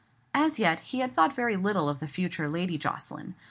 As yet he had thought very little of the future Lady Jocelyn.